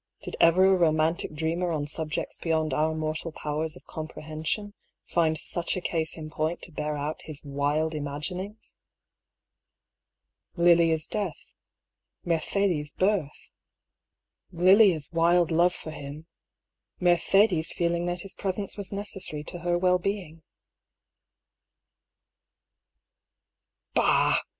Did ever a romantic dreamer on subjects beyond our mortal powers of com prehension find such a case in point to bear out his wild imaginings?" Lilia's death — Mercedes' birth — Lilia's wild love for him — Mercedes' feeling that his presence was necessary to her wellbeing. " Bah !